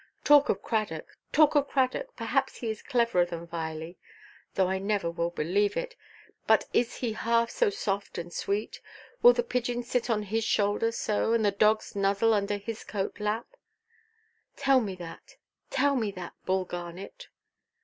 Talk of Cradock—talk of Cradock! Perhaps he is cleverer than Viley—though I never will believe it—but is he half so soft and sweet? Will the pigeons sit on his shoulder so, and the dogs nuzzle under his coat–lap? Tell me that—tell me that—Bull Garnet."